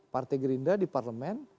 partai gerindra di parlemen